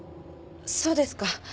そうですか。